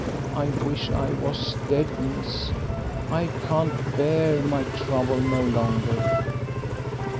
I wish I was dead, miss, I can't bear my trouble no longer."